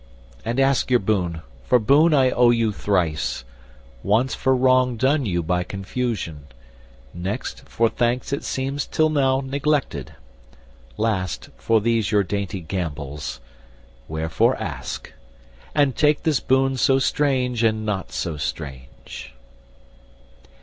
And ask your boon, for boon I owe you thrice, Once for wrong done you by confusion, next For thanks it seems till now neglected, last For these your dainty gambols: wherefore ask; And take this boon so strange and not so strange."